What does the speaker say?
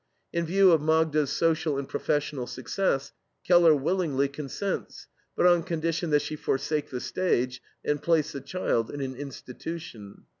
In view of Magda's social and professional success, Keller willingly consents, but on condition that she forsake the stage, and place the child in an institution.